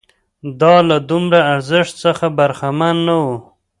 دا له دومره ارزښت څخه برخمن نه وو